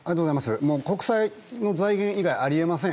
国債の財源以外あり得ません。